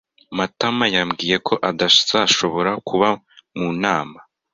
Matama yambwiye ko atazashobora kuba mu nama.